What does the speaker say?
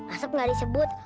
asap gak disebut